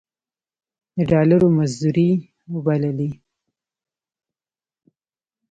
د ډالرو مزدورۍ وبللې.